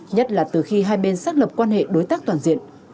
nhất là từ khi hai bên xác lập quan hệ đối tác toàn diện